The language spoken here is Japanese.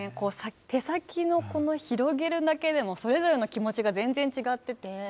手先を広げるだけでもそれぞれの気持ちが全然、違ってて。